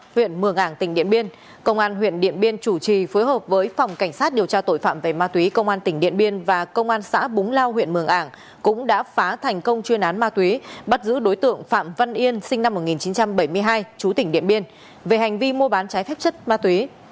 huyện mường ảng tỉnh điện biên công an huyện điện biên chủ trì phối hợp với phòng cảnh sát điều tra tội phạm về ma túy công an tỉnh điện biên và công an xã búng lao huyện mường ảng cũng đã phá thành công chuyên án ma túy bắt giữ đối tượng phạm văn yên sinh năm một nghìn chín trăm bảy mươi hai chú tỉnh điện biên về hành vi mua bán trái phép chất ma túy